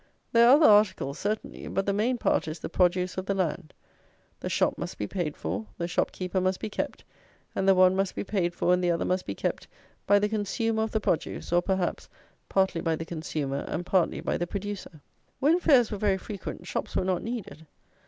There are other articles, certainly; but the main part is the produce of the land. The shop must be paid for; the shop keeper must be kept; and the one must be paid for and the other must be kept by the consumer of the produce; or, perhaps, partly by the consumer and partly by the producer. When fairs were very frequent, shops were not needed.